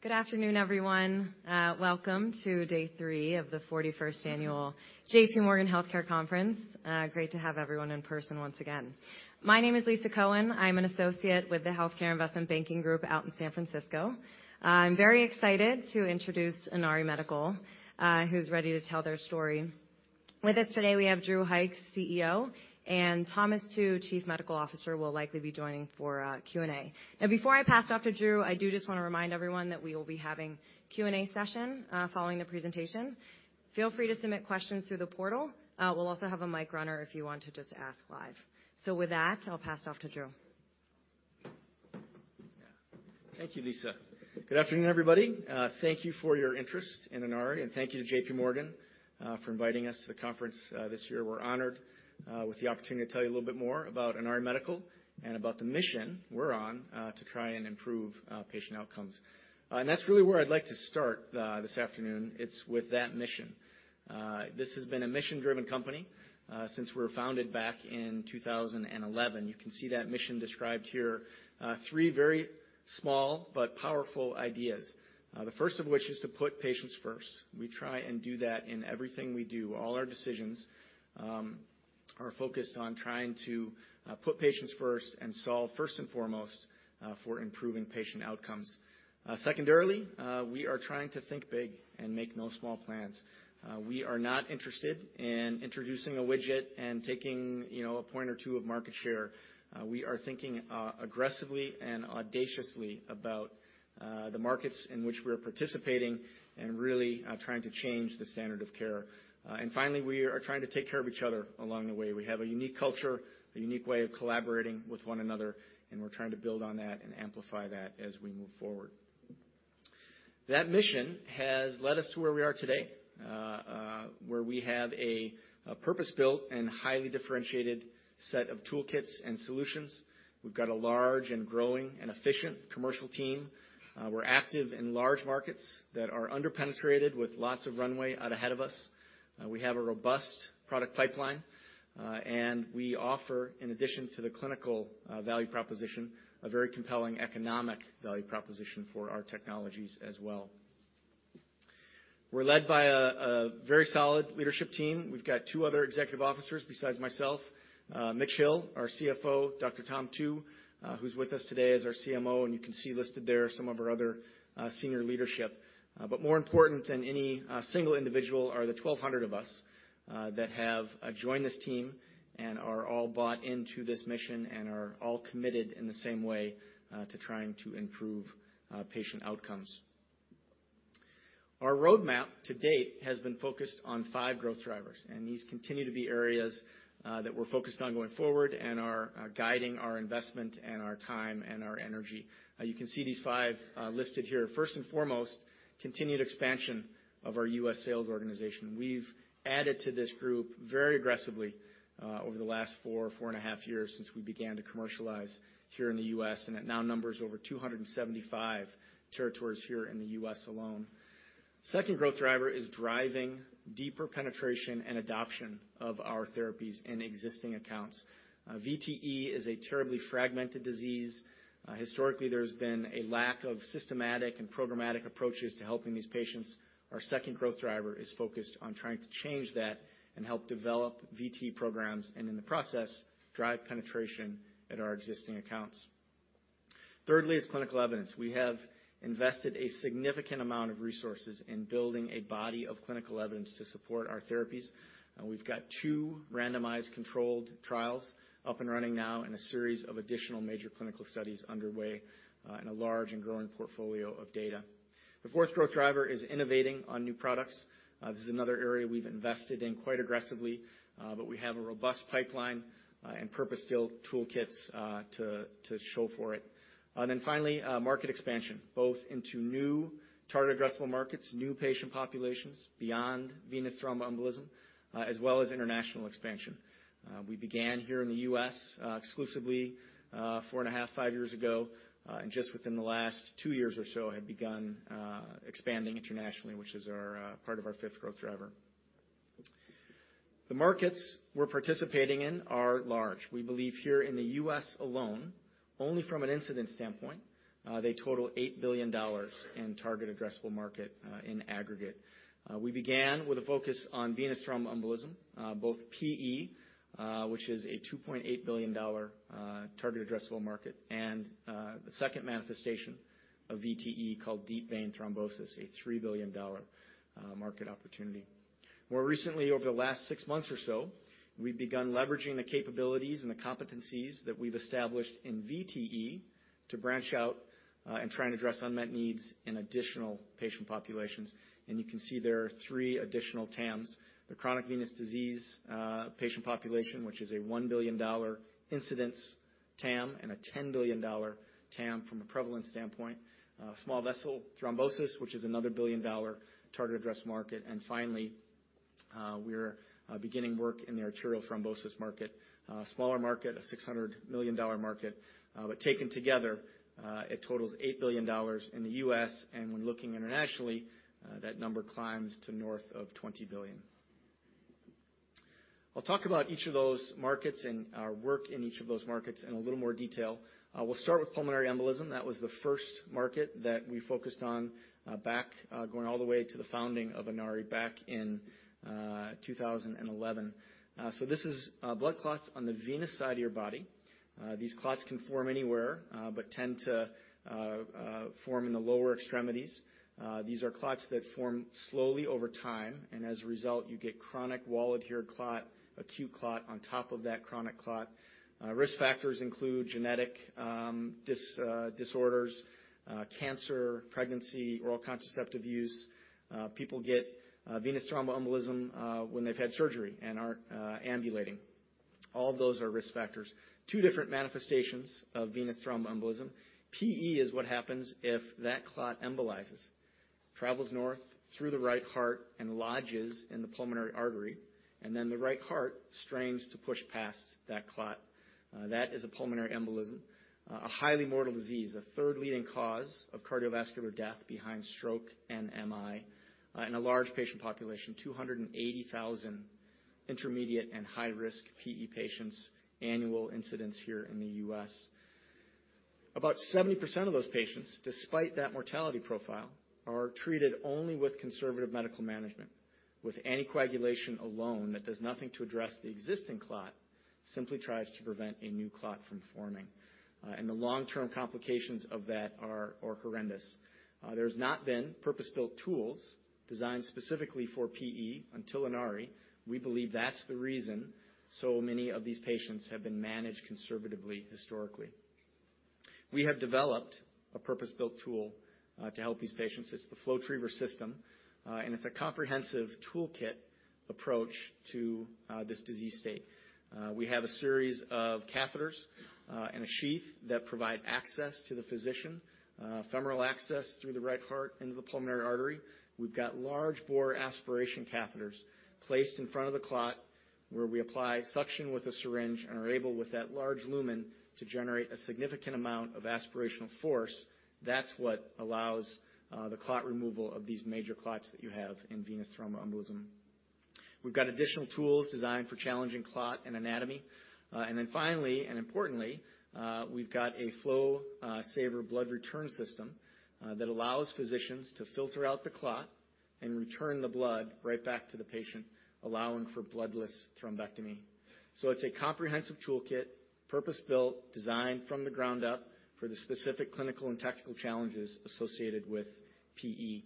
Good afternoon, everyone. Welcome to day three of the 41st annual JPMorgan Healthcare Conference. Great to have everyone in person once again. My name is Lisa Cohen. I'm an associate with the healthcare investment banking group out in San Francisco. I'm very excited to introduce Inari Medical, who's ready to tell their story. With us today, we have Drew Hykes, CEO, and Thomas Tu, Chief Medical Officer, will likely be joining for Q&A. Before I pass it off to Drew, I do just wanna remind everyone that we will be having Q&A session following the presentation. Feel free to submit questions through the portal. We'll also have a mic runner if you want to just ask live. With that, I'll pass it off to Drew. Thank you, Lisa. Good afternoon, everybody. Thank you for your interest in Inari, and thank you to JPMorgan for inviting us to the conference this year. We're honored with the opportunity to tell you a little bit more about Inari Medical and about the mission we're on to try and improve patient outcomes. That's really where I'd like to start this afternoon. It's with that mission. This has been a mission-driven company since we were founded back in 2011. You can see that mission described here. Three very small but powerful ideas, the first of which is to put patients first. We try and do that in everything we do. All our decisions are focused on trying to put patients first and solve first and foremost for improving patient outcomes. Secondarily, we are trying to think big and make no small plans. We are not interested in introducing a widget and taking, you know, a point or two of market share. We are thinking aggressively and audaciously about the markets in which we're participating and really trying to change the standard of care. Finally, we are trying to take care of each other along the way. We have a unique culture, a unique way of collaborating with one another, and we're trying to build on that and amplify that as we move forward. That mission has led us to where we are today, where we have a purpose-built and highly differentiated set of toolkits and solutions. We've got a large and growing and efficient commercial team. We're active in large markets that are under-penetrated with lots of runway out ahead of us. We have a robust product pipeline, and we offer, in addition to the clinical value proposition, a very compelling economic value proposition for our technologies as well. We're led by a very solid leadership team. We've got two other executive officers besides myself, Mitch Hill, our CFO, Dr. Tom Tu, who's with us today as our CMO, and you can see listed there some of our other senior leadership. More important than any single individual are the 1,200 of us that have joined this team and are all bought into this mission and are all committed in the same way to trying to improve patient outcomes. Our roadmap to date has been focused on five growth drivers, and these continue to be areas that we're focused on going forward and are guiding our investment and our time and our energy. You can see these five listed here. First and foremost, continued expansion of our U.S. sales organization. We've added to this group very aggressively over the last 4.5 years since we began to commercialize here in the U.S., and it now numbers over 275 territories here in the U.S. alone. Second growth driver is driving deeper penetration and adoption of our therapies in existing accounts. VTE is a terribly fragmented disease. Historically, there's been a lack of systematic and programmatic approaches to helping these patients. Our second growth driver is focused on trying to change that and help develop VTE programs, and in the process, drive penetration at our existing accounts. Thirdly is clinical evidence. We have invested a significant amount of resources in building a body of clinical evidence to support our therapies. We've got two Randomized Controlled Trials up and running now in a series of additional major clinical studies underway in a large and growing portfolio of data. The fourth growth driver is innovating on new products. This is another area we've invested in quite aggressively, but we have a robust pipeline and purpose-built toolkits to show for it. Finally, market expansion, both into new target addressable markets, new patient populations beyond venous thromboembolism, as well as international expansion. We began here in the U.S., exclusively, four and a half, five years ago, and just within the last two years or so have begun expanding internationally, which is our part of our fifth growth driver. The markets we're participating in are large. We believe here in the U.S. alone, only from an incident standpoint, they total $8 billion in target addressable market in aggregate. We began with a focus on venous thromboembolism, both PE, which is a $2.8 billion target addressable market, and the second manifestation of VTE called deep vein thrombosis, a $3 billion market opportunity. More recently, over the last six months or so, we've begun leveraging the capabilities and the competencies that we've established in VTE to branch out and try and address unmet needs in additional patient populations. You can see there are three additional TAMs. The chronic venous disease patient population, which is a $1 billion incidence TAM and a $10 billion TAM from a prevalence standpoint. Small vessel thrombosis, which is another $1 billion target address market. Finally, we're beginning work in the arterial thrombosis market. Smaller market, a $600 million market, but taken together, it totals $8 billion in the U.S., and when looking internationally, that number climbs to north of $20 billion. I'll talk about each of those markets and our work in each of those markets in a little more detail. We'll start with pulmonary embolism. That was the first market that we focused on, back, going all the way to the founding of Inari back in 2011. This is blood clots on the venous side of your body. These clots can form anywhere, but tend to form in the lower extremities. These are clots that form slowly over time, and as a result, you get chronic wall-adhered clot, acute clot on top of that chronic clot. Risk factors include genetic disorders, cancer, pregnancy, oral contraceptive use. People get venous thromboembolism when they've had surgery and aren't ambulating. All of those are risk factors. Two different manifestations of venous thromboembolism. PE is what happens if that clot embolizes, travels north through the right heart and lodges in the pulmonary artery, and then the right heart strains to push past that clot. That is a pulmonary embolism, a highly mortal disease, the third leading cause of cardiovascular death behind stroke and MI, in a large patient population, 280,000 intermediate and high-risk PE patients annual incidence here in the U.S. About 70% of those patients, despite that mortality profile, are treated only with conservative medical management, with anticoagulation alone that does nothing to address the existing clot, simply tries to prevent a new clot from forming. The long-term complications of that are horrendous. There's not been purpose-built tools designed specifically for PE until Inari. We believe that's the reason so many of these patients have been managed conservatively historically. We have developed a purpose-built tool to help these patients. It's the FlowTriever system, and it's a comprehensive toolkit approach to this disease state. We have a series of catheters and a sheath that provide access to the physician, femoral access through the right heart into the pulmonary artery. We've got large bore aspiration catheters placed in front of the clot where we apply suction with a syringe and are able with that large lumen to generate a significant amount of aspirational force. That's what allows the clot removal of these major clots that you have in venous thromboembolism. We've got additional tools designed for challenging clot and anatomy. And then finally, and importantly, we've got a FlowSaver blood return system that allows physicians to filter out the clot and return the blood right back to the patient, allowing for bloodless thrombectomy. It's a comprehensive toolkit, purpose-built, designed from the ground up for the specific clinical and tactical challenges associated with PE.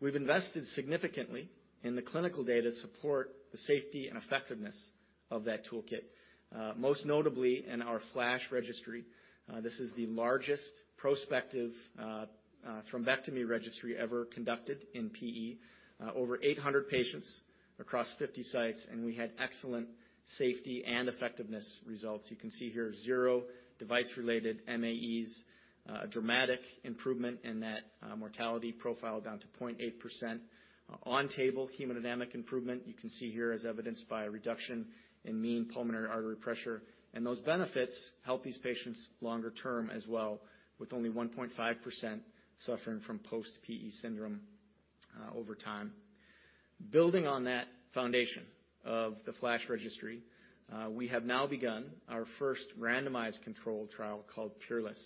We've invested significantly in the clinical data to support the safety and effectiveness of that toolkit, most notably in our FLASH registry. This is the largest prospective thrombectomy registry ever conducted in PE. Over 800 patients across 50 sites, and we had excellent safety and effectiveness results. You can see here zero device-related MAEs, a dramatic improvement in that mortality profile down to 0.8%. On-table hemodynamic improvement, you can see here as evidenced by a reduction in mean pulmonary artery pressure. Those benefits help these patients longer term as well, with only 1.5% suffering from post-PE syndrome over time. Building on that foundation of the FLASH registry, we have now begun our first randomized controlled trial called PEERLESS.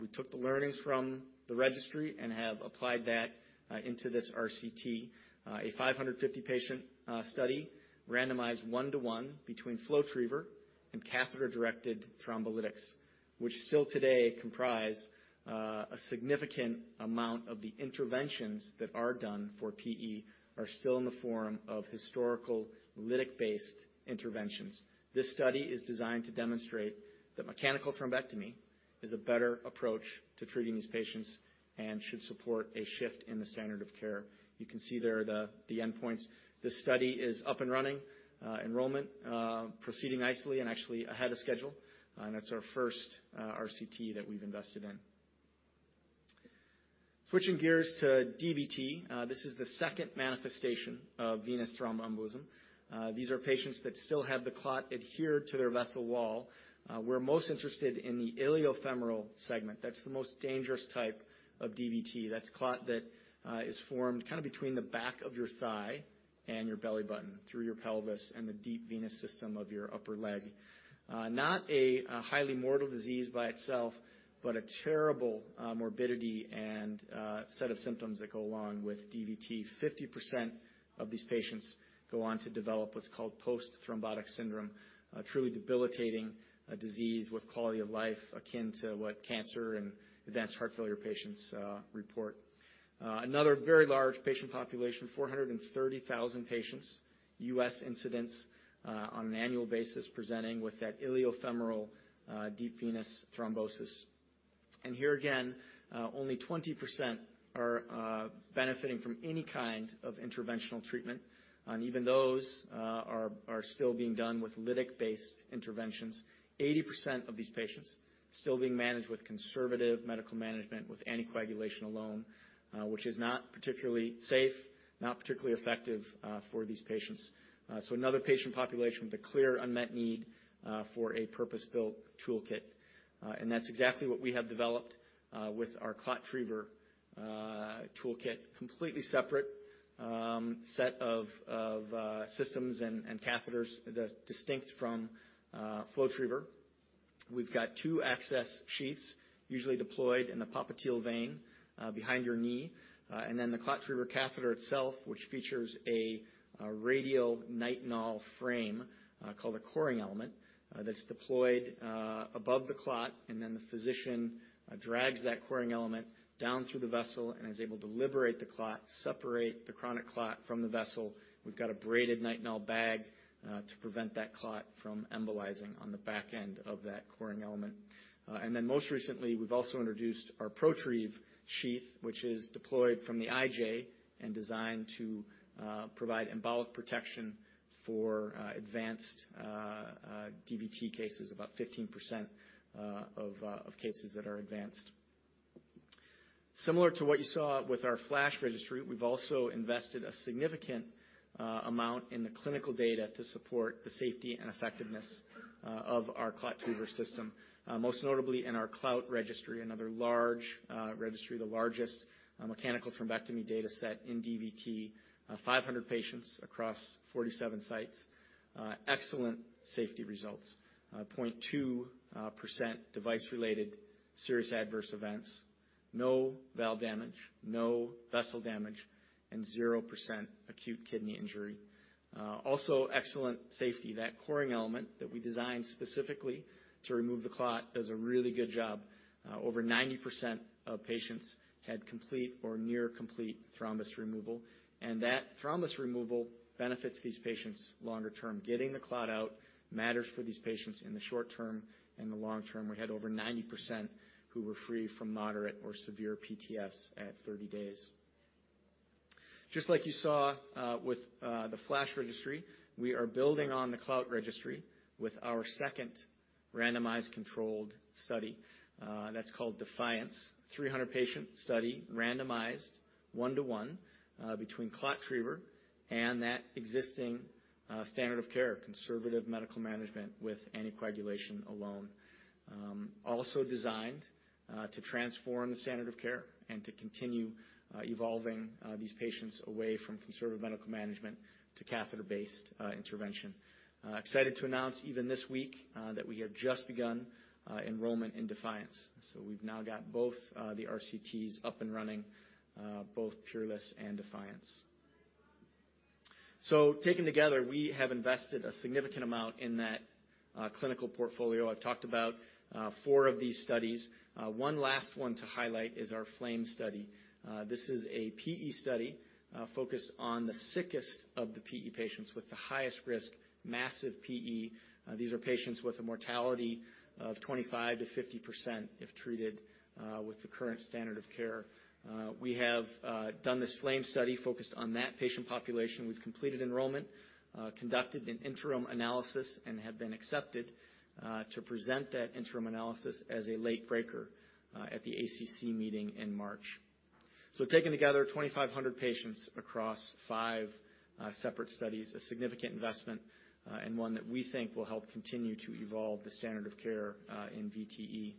We took the learnings from the registry and have applied that into this RCT, a 550 patient study randomized one to one between FlowTriever and catheter-directed thrombolytics, which still today comprise a significant amount of the interventions that are done for PE are still in the form of historical lytic-based interventions. This study is designed to demonstrate that mechanical thrombectomy is a better approach to treating these patients and should support a shift in the standard of care. You can see there the endpoints. This study is up and running, enrollment proceeding nicely and actually ahead of schedule. That's our first RCT that we've invested in. Switching gears to DVT, this is the second manifestation of venous thromboembolism. These are patients that still have the clot adhered to their vessel wall. We're most interested in the iliofemoral segment. That's the most dangerous type of DVT. That's clot that is formed kind of between the back of your thigh and your belly button through your pelvis and the deep venous system of your upper leg. Not a highly mortal disease by itself, but a terrible morbidity and set of symptoms that go along with DVT. 50% of these patients go on to develop what's called post-thrombotic syndrome, a truly debilitating disease with quality of life akin to what cancer and advanced heart failure patients report. Another very large patient population, 430,000 patients, U.S. incidence, on an annual basis presenting with that iliofemoral deep venous thrombosis. Here again, only 20% are benefiting from any kind of interventional treatment. Even those are still being done with lytic-based interventions. 80% of these patients still being managed with conservative medical management, with anticoagulation alone, which is not particularly safe, not particularly effective for these patients. Another patient population with a clear unmet need for a purpose-built toolkit. That's exactly what we have developed with our ClotTriever toolkit, completely separate set of systems and catheters that's distinct from FlowTriever. We've got two access sheaths, usually deployed in the popliteal vein behind your knee. Then the ClotTriever catheter itself, which features a radial nitinol frame called a coring element that's deployed above the clot, and then the physician drags that coring element down through the vessel and is able to liberate the clot, separate the chronic clot from the vessel. We've got a braided nitinol bag to prevent that clot from embolizing on the back end of that coring element. Most recently, we've also introduced our Protrieve sheath, which is deployed from the IJ and designed to provide embolic protection for advanced DVT cases, about 15% of cases that are advanced. Similar to what you saw with our FLASH registry, we've also invested a significant amount in the clinical data to support the safety and effectiveness of our ClotTriever system, most notably in our CLOUT registry, another large registry, the largest mechanical thrombectomy data set in DVT. 500 patients across 47 sites. Excellent safety results. 0.2% device-related serious adverse events. No valve damage, no vessel damage, and 0% acute kidney injury. Also excellent safety. That coring element that we designed specifically to remove the clot does a really good job. Over 90% of patients had complete or near complete thrombus removal, that thrombus removal benefits these patients longer term. Getting the clot out matters for these patients in the short term and the long term. We had over 90% who were free from moderate or severe PTS at 30 days. Just like you saw with the FLASH registry, we are building on the CLOUT registry with our second randomized controlled study that's called DEFIANCE. 300-patient study, randomized one to one between ClotTriever and that existing standard of care, conservative medical management with anticoagulation alone. Also designed to transform the standard of care and to continue evolving these patients away from conservative medical management to catheter-based intervention. Excited to announce even this week that we have just begun enrollment in DEFIANCE. We've now got both the RCTs up and running, both PEERLESS and DEFIANCE. Taken together, we have invested a significant amount in that clinical portfolio. I've talked about four of these studies. One last one to highlight is our FLAME study. This is a PE study focused on the sickest of the PE patients with the highest risk, massive PE. These are patients with a mortality of 25%-50% if treated with the current standard of care. We have done this FLAME study focused on that patient population. We've completed enrollment, conducted an interim analysis and have been accepted to present that interim analysis as a late breaker at the ACC meeting in March. Taken together, 2,500 patients across five separate studies, a significant investment, and one that we think will help continue to evolve the standard of care in VTE.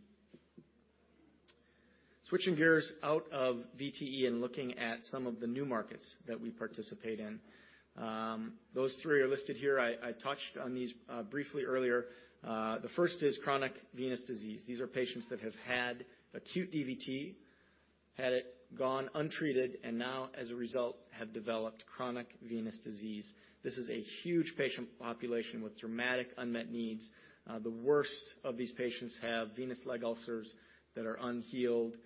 Switching gears out of VTE and looking at some of the new markets that we participate in. Those three are listed here. I touched on these briefly earlier. The first is chronic venous disease. These are patients that have had acute DVT, had it gone untreated, and now as a result have developed chronic venous disease. This is a huge patient population with dramatic unmet needs. The worst of these patients have venous leg ulcers that are unhealed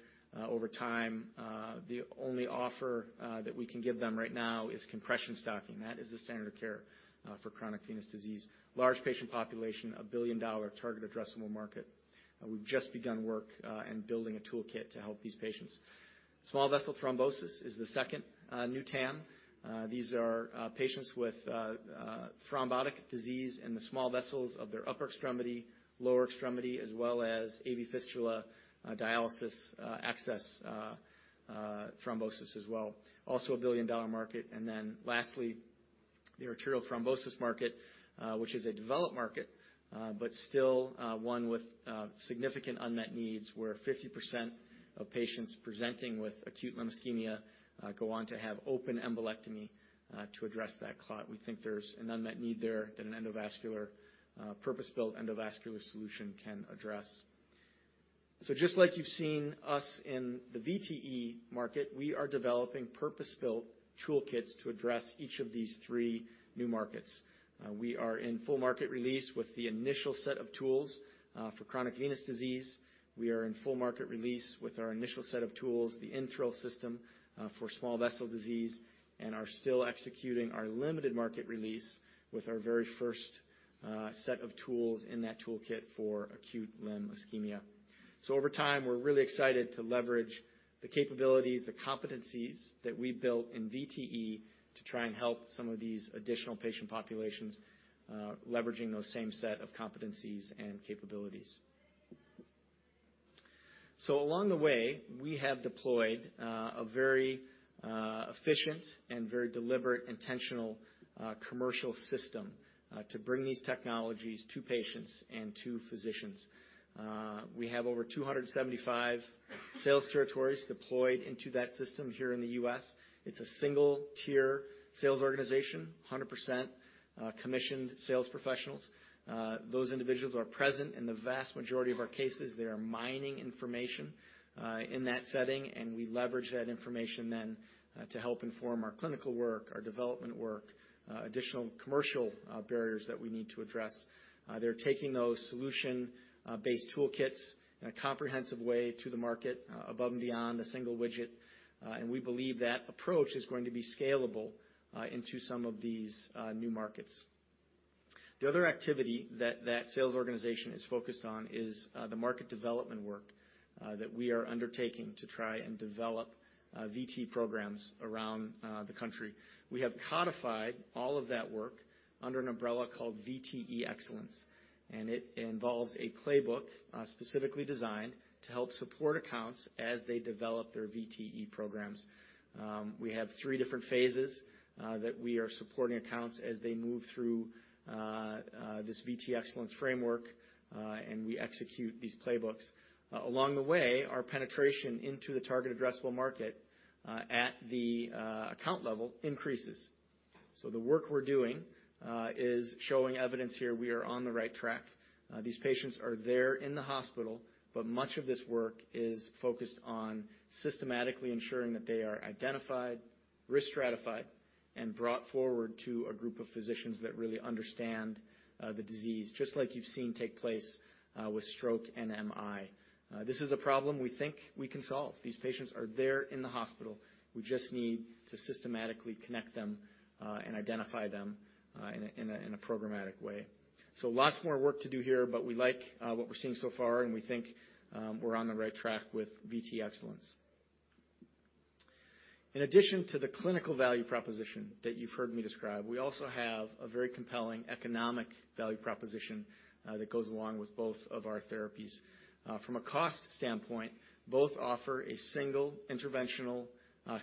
over time. The only offer that we can give them right now is compression stocking. That is the standard of care for chronic venous disease. Large patient population, a billion-dollar total addressable market. We've just begun work in building a toolkit to help these patients. Small vessel thrombosis is the second new TAM. These are patients with thrombotic disease in the small vessels of their upper extremity, lower extremity, as well as AV fistula, dialysis access thrombosis as well. Also a billion-dollar market. Lastly, the arterial thrombosis market, which is a developed market, but still one with significant unmet needs, where 50% of patients presenting with acute limb ischemia go on to have open embolectomy to address that clot. We think there's an unmet need there that an endovascular purpose-built endovascular solution can address. Just like you've seen us in the VTE market, we are developing purpose-built toolkits to address each of these three new markets. We are in full market release with the initial set of tools for chronic venous disease. We are in full market release with our initial set of tools, the InThrill system, for small vessel disease, and are still executing our limited market release with our very first set of tools in that toolkit for acute limb ischemia. Over time, we're really excited to leverage the capabilities, the competencies that we built in VTE to try and help some of these additional patient populations, leveraging those same set of competencies and capabilities. Along the way, we have deployed a very efficient and very deliberate, intentional commercial system to bring these technologies to patients and to physicians. We have over 275 sales territories deployed into that system here in the U.S. It's a single-tier sales organization, 100% commissioned sales professionals. Those individuals are present in the vast majority of our cases. They are mining information in that setting, and we leverage that information then to help inform our clinical work, our development work, additional commercial barriers that we need to address. They're taking those solution-based toolkits in a comprehensive way to the market above and beyond a single widget. We believe that approach is going to be scalable into some of these new markets. The other activity that that sales organization is focused on is the market development work that we are undertaking to try and develop VTE programs around the country. We have codified all of that work under an umbrella called VTE Excellence. It involves a playbook, specifically designed to help support accounts as they develop their VTE programs. We have three different phases that we are supporting accounts as they move through this VTE Excellence framework. We execute these playbooks. Along the way, our penetration into the target addressable market, at the account level increases. The work we're doing is showing evidence here we are on the right track. These patients are there in the hospital. Much of this work is focused on systematically ensuring that they are identified, risk stratified, and brought forward to a group of physicians that really understand the disease, just like you've seen take place with stroke and MI. This is a problem we think we can solve. These patients are there in the hospital. We just need to systematically connect them and identify them in a programmatic way. Lots more work to do here, but we like what we're seeing so far, and we think we're on the right track with VTE Excellence. In addition to the clinical value proposition that you've heard me describe, we also have a very compelling economic value proposition that goes along with both of our therapies. From a cost standpoint, both offer a single interventional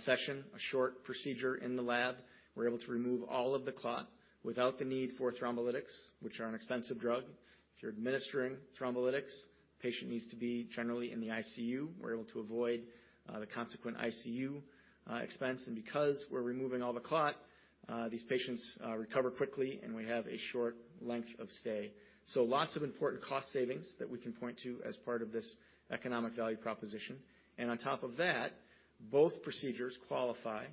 session, a short procedure in the lab. We're able to remove all of the clot without the need for thrombolytics, which are an expensive drug. If you're administering thrombolytics, patient needs to be generally in the ICU. We're able to avoid the consequent ICU expense. Because we're removing all the clot, these patients recover quickly, and we have a short length of stay. Lots of important cost savings that we can point to as part of this economic value proposition. On top of that, both procedures qualify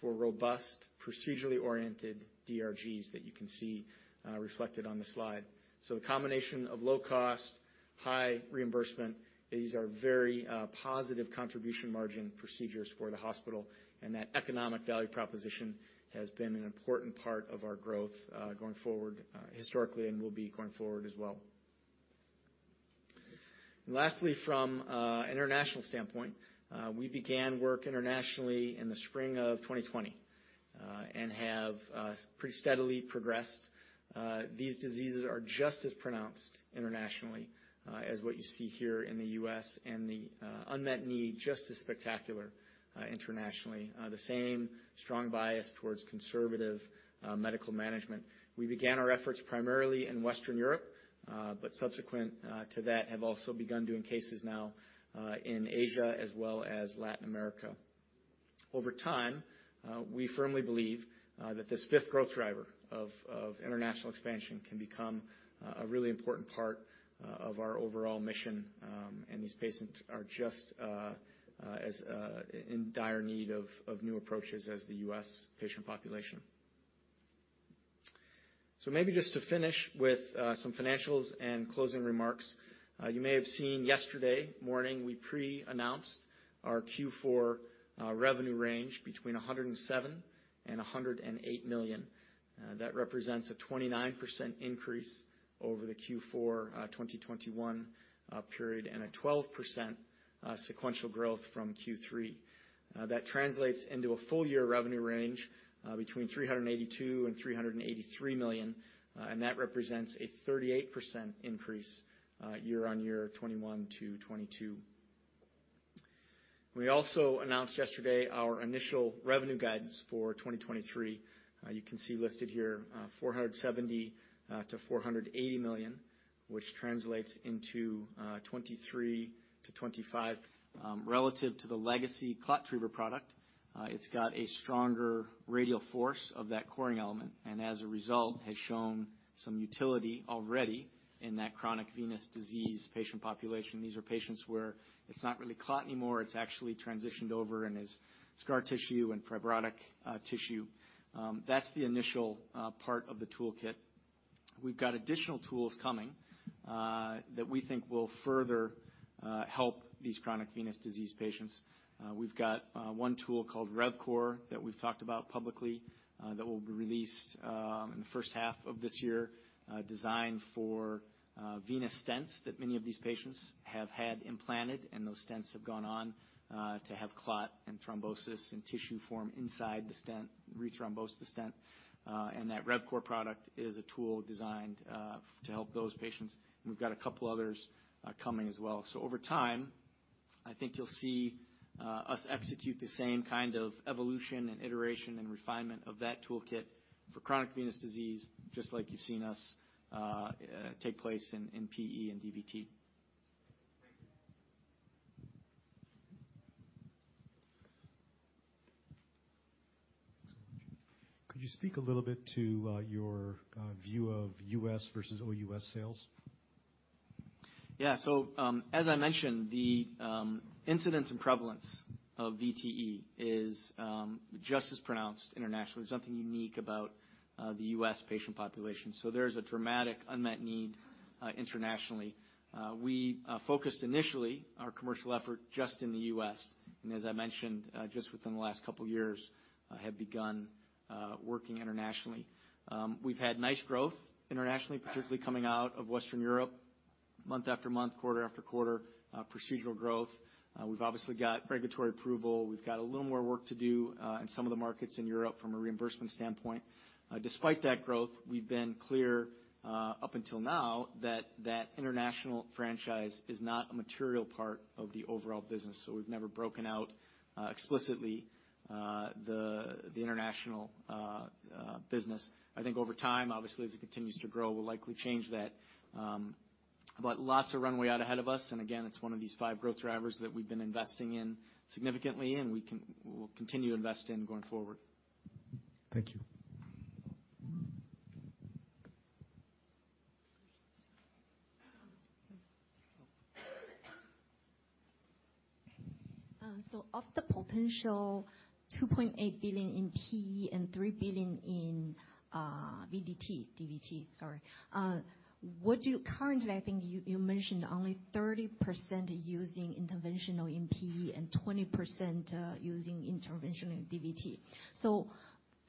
for robust, procedurally oriented DRGs that you can see reflected on the slide. The combination of low cost, high reimbursement, these are very positive contribution margin procedures for the hospital, and that economic value proposition has been an important part of our growth going forward historically and will be going forward as well. Lastly, from an international standpoint, we began work internationally in the spring of 2020 and have pretty steadily progressed. These diseases are just as pronounced internationally, as what you see here in the U.S. and the unmet need just as spectacular internationally. The same strong bias towards conservative medical management. We began our efforts primarily in Western Europe, but subsequent to that have also begun doing cases now in Asia as well as Latin America. Over time, we firmly believe that this fifth growth driver of international expansion can become a really important part of our overall mission, and these patients are just as in dire need of new approaches as the U.S. patient population. Maybe just to finish with some financials and closing remarks. You may have seen yesterday morning, we pre-announced our Q4 revenue range between $107 million-$108 million. That represents a 29% increase over the Q4 2021 period and a 12% sequential growth from Q3. That translates into a full year revenue range between $382 million-$383 million, and that represents a 38% increase year-on-year, 2021 to 2022. We also announced yesterday our initial revenue guidance for 2023. You can see listed here, $470 million-$480 million, which translates into 23% to 25%. Relative to the legacy ClotTriever product, it's got a stronger radial force of that coring element, and as a result, has shown some utility already in that chronic venous disease patient population. These are patients where it's not really clot anymore. It's actually transitioned over and is scar tissue and fibrotic tissue. That's the initial part of the toolkit. We've got additional tools coming that we think will further help these chronic venous disease patients. We've got one tool called RevCore that we've talked about publicly that will be released in the H1 of this year, designed for venous stents that many of these patients have had implanted, and those stents have gone on to have clot and thrombosis and tissue form inside the stent, rethrombose the stent. That RevCore product is a tool designed to help those patients. We've got a couple others coming as well. Over time, I think you'll see us execute the same kind of evolution and iteration and refinement of that toolkit for chronic venous disease, just like you've seen us take place in PE and DVT. Could you speak a little bit to, your view of U.S. versus OUS sales? As I mentioned, the incidence and prevalence of VTE is just as pronounced internationally. There's nothing unique about the U.S. patient population. There's a dramatic unmet need internationally. We focused initially our commercial effort just in the U.S., and as I mentioned, just within the last couple years, have begun working internationally. We've had nice growth internationally, particularly coming out of Western Europe, month after month, quarter after quarter, procedural growth. We've obviously got regulatory approval. We've got a little more work to do in some of the markets in Europe from a reimbursement standpoint. Despite that growth, we've been clear up until now that that international franchise is not a material part of the overall business, so we've never broken out explicitly the international business. I think over time, obviously, as it continues to grow, we'll likely change that. Lots of runway out ahead of us, and again, it's one of these five growth drivers that we've been investing in significantly, and we will continue to invest in going forward. Thank you. Of the potential $2.8 billion in PE and $3 billion in DVT, sorry. Currently, I think you mentioned only 30% using interventional in PE and 20% using interventional in DVT.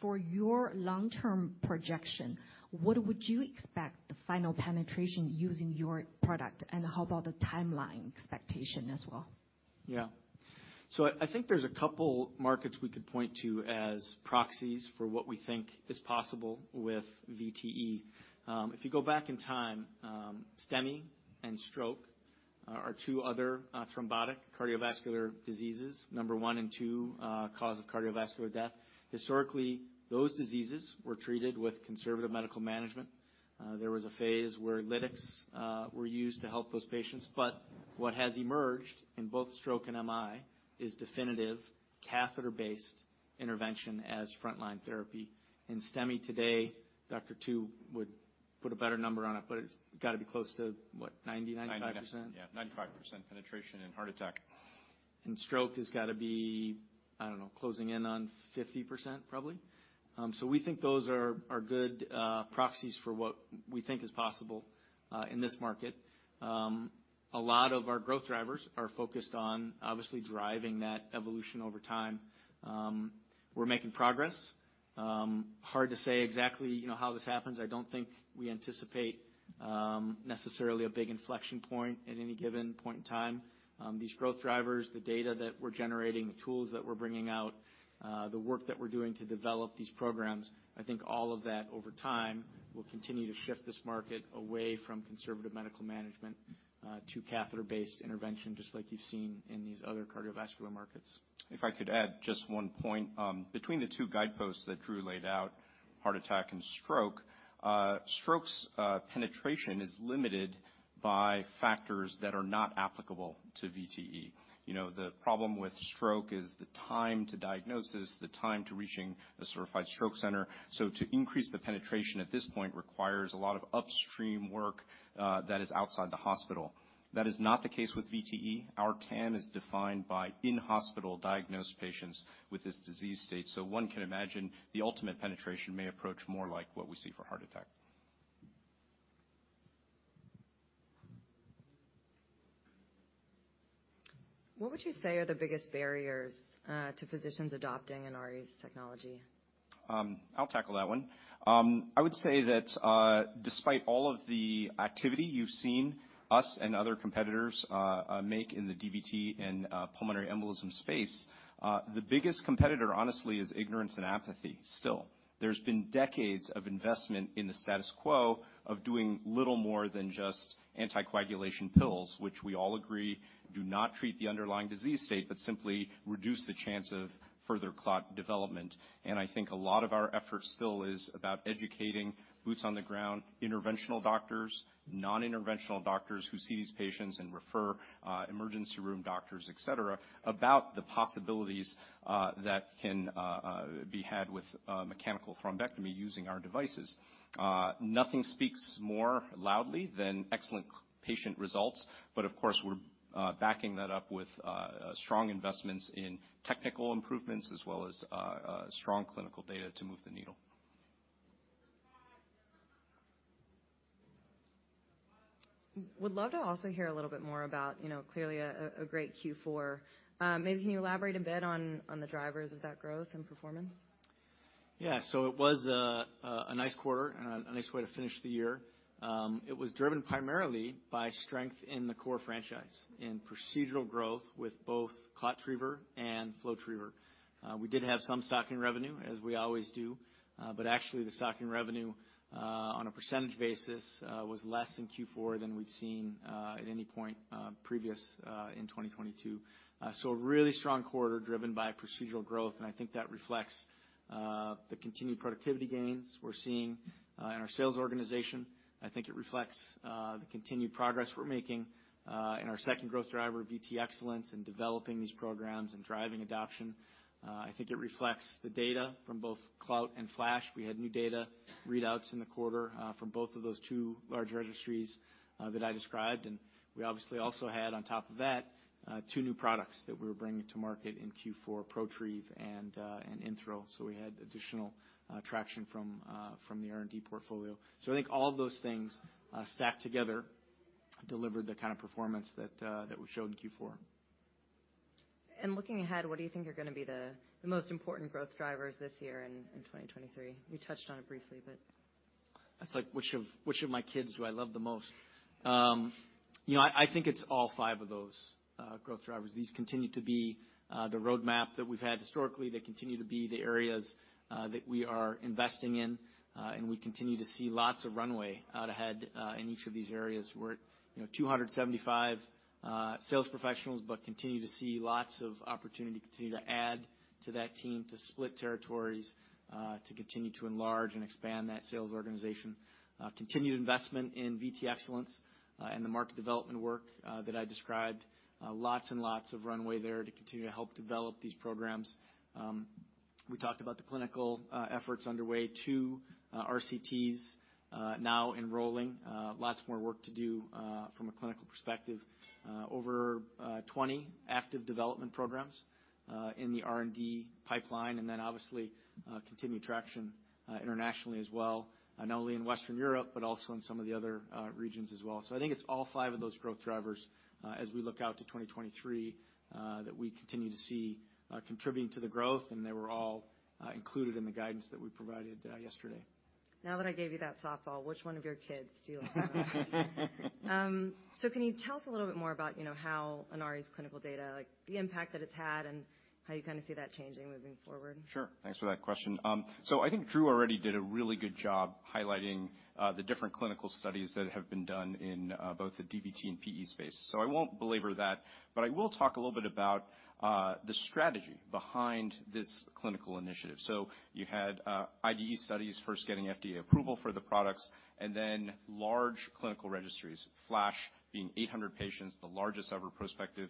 For your long-term projection, what would you expect the final penetration using your product? How about the timeline expectation as well? Yeah. So I, I think there's a couple markets we could point to as proxies for what we think is possible with VTE. Um, if you go back in time, um, STEMI and stroke, uh, are two other, uh, thrombotic cardiovascular diseases, number one and two, uh, cause of cardiovascular death. Historically, those diseases were treated with conservative medical management. Uh, there was a phase where lytics, uh, were used to help those patients. But what has emerged in both stroke and MI is definitive catheter-based intervention as frontline therapy. In STEMI today, Dr. Tu would put a better number on it, but it's gotta be close to, what, ninety, ninety-five percent? Yeah, 95% penetration in heart attack. Stroke has gotta be closing in on 50% probably. We think those are good proxies for what we think is possible in this market. A lot of our growth drivers are focused on, obviously, driving that evolution over time. We're making progress. Hard to say exactly, you know, how this happens. I don't think we anticipate necessarily a big inflection point at any given point in time. These growth drivers, the data that we're generating, the tools that we're bringing out, the work that we're doing to develop these programs, I think all of that over time will continue to shift this market away from conservative medical management to catheter-based intervention, just like you've seen in these other cardiovascular markets. If I could add just one point. Between the two guideposts that Drew laid out, heart attack and stroke's penetration is limited by factors that are not applicable to VTE. You know, the problem with stroke is the time to diagnosis, the time to reaching a certified stroke center. To increase the penetration at this point requires a lot of upstream work that is outside the hospital. That is not the case with VTE. Our TAM is defined by in-hospital diagnosed patients with this disease state. One can imagine the ultimate penetration may approach more like what we see for heart attack. What would you say are the biggest barriers to physicians adopting Inari's technology? I'll tackle that one. I would say that despite all of the activity you've seen us and other competitors make in the DVT and pulmonary embolism space, the biggest competitor, honestly, is ignorance and apathy still. There's been decades of investment in the status quo of doing little more than just anticoagulation pills, which we all agree do not treat the underlying disease state but simply reduce the chance of further clot development. I think a lot of our effort still is about educating boots on the ground, interventional doctors, non-interventional doctors who see these patients and refer, emergency room doctors, et cetera, about the possibilities that can be had with mechanical thrombectomy using our devices. Nothing speaks more loudly than excellent patient results. Of course, we're backing that up with strong investments in technical improvements as well as strong clinical data to move the needle. Would love to also hear a little bit more about, you know, clearly a great Q4. Maybe can you elaborate a bit on the drivers of that growth and performance? Yeah. It was a nice quarter and a nice way to finish the year. It was driven primarily by strength in the core franchise, in procedural growth with both ClotTriever and FlowTriever. We did have some stocking revenue, as we always do, but actually the stocking revenue, on a percentage basis, was less in Q4 than we've seen, at any point, previous, in 2022. A really strong quarter driven by procedural growth, and I think that reflects the continued productivity gains we're seeing in our sales organization. I think it reflects the continued progress we're making in our second growth driver, VTE Excellence, in developing these programs and driving adoption. I think it reflects the data from both CLOUT and FLASH. We had new data readouts in the quarter, from both of those two large registries, that I described. We obviously also had, on top of that, two new products that we were bringing to market in Q4, Protrieve and InThrill. We had additional traction from the R&D portfolio. I think all of those things, stacked together, delivered the kind of performance that we showed in Q4. Looking ahead, what do you think are gonna be the most important growth drivers this year in 2023? You touched on it briefly, but. That's like which of my kids do I love the most? You know, I think it's all five of those growth drivers. These continue to be the roadmap that we've had historically. They continue to be the areas that we are investing in. We continue to see lots of runway out ahead in each of these areas. We're at, you know, 275 sales professionals. We continue to see lots of opportunity to continue to add to that team, to split territories, to continue to enlarge and expand that sales organization. Continued investment in VTE Excellence. The market development work that I described. Lots and lots of runway there to continue to help develop these programs. We talked about the clinical efforts underway, two RCTs now enrolling. Lots more work to do from a clinical perspective. Over 20 active development programs in the R&D pipeline, and then obviously, continued traction internationally as well, not only in Western Europe, but also in some of the other regions as well. I think it's all five of those growth drivers as we look out to 2023 that we continue to see contributing to the growth, and they were all included in the guidance that we provided yesterday. Now that I gave you that softball, which one of your kids do you love the most? Can you tell us a little bit more about, you know, how Inari's clinical data, like the impact that it's had, and how you kind of see that changing moving forward? Sure. Thanks for that question. I think Drew already did a really good job highlighting the different clinical studies that have been done in both the DVT and PE space. I won't belabor that, but I will talk a little bit about the strategy behind this clinical initiative. You had IDE studies first getting FDA approval for the products, and then large clinical registries, FLASH being 800 patients, the largest ever prospective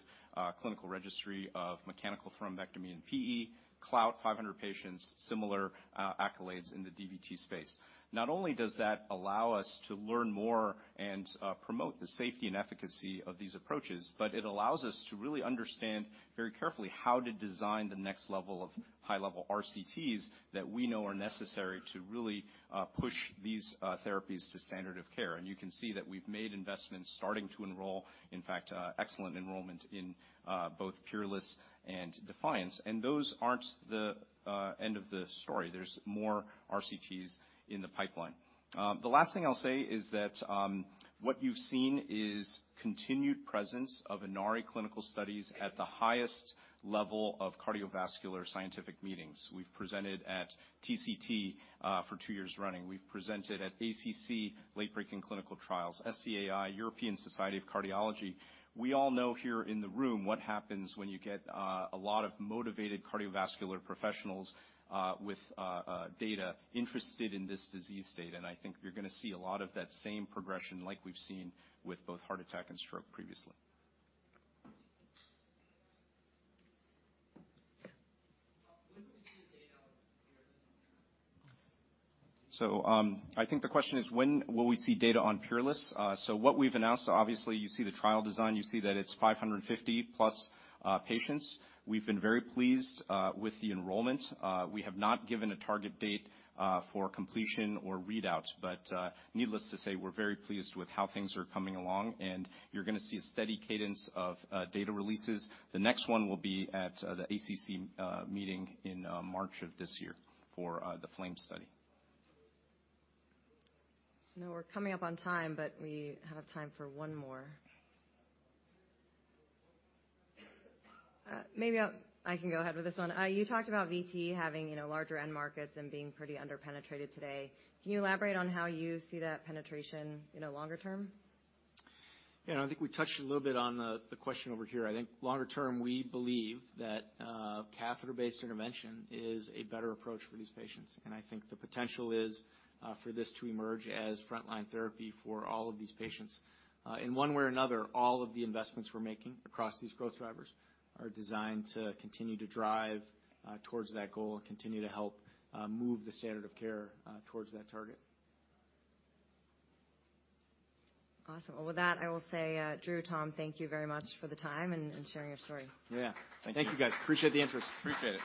clinical registry of mechanical thrombectomy and PE. CLOUT, 500 patients, similar accolades in the DVT space. Not only does that allow us to learn more and promote the safety and efficacy of these approaches, but it allows us to really understand very carefully how to design the next level of high-level RCTs that we know are necessary to really push these therapies to standard of care. You can see that we've made investments starting to enroll, in fact, excellent enrollment in both PEERLESS and DEFIANCE, and those aren't the end of the story. There's more RCTs in the pipeline. The last thing I'll say is that what you've seen is continued presence of Inari clinical studies at the highest level of cardiovascular scientific meetings. We've presented at TCT for two years running. We've presented at ACC late-breaking clinical trials. SCAI, European Society of Cardiology. We all know here in the room what happens when you get a lot of motivated cardiovascular professionals with data interested in this disease state. I think you're gonna see a lot of that same progression like we've seen with both heart attack and stroke previously. When will we see data on PEERLESS? I think the question is, when will we see data on PEERLESS? What we've announced, obviously, you see the trial design, you see that it's 550-plus patients. We've been very pleased with the enrollment. We have not given a target date for completion or readout, but, needless to say, we're very pleased with how things are coming along, and you're gonna see a steady cadence of data releases. The next one will be at the ACC meeting in March of this year for the FLAME study. Now we're coming up on time, but we have time for one more. Maybe I can go ahead with this one. You talked about VT having, you know, larger end markets and being pretty under-penetrated today. Can you elaborate on how you see that penetration in a longer term? I think we touched a little bit on the question over here. I think longer term, we believe that catheter-based intervention is a better approach for these patients, and I think the potential is for this to emerge as frontline therapy for all of these patients. In one way or another, all of the investments we're making across these growth drivers are designed to continue to drive towards that goal and continue to help move the standard of care towards that target. Awesome. With that, I will say, Drew, Tom, thank you very much for the time and sharing your story. Yeah. Thank you. Thank you, guys. Appreciate the interest. Appreciate it.